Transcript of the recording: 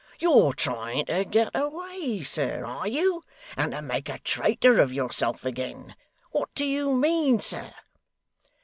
You're trying to get away, sir, are you, and to make a traitor of yourself again? What do you mean, sir?